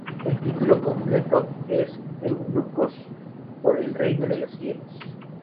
El título completo es "Eunucos por el reino de los cielos.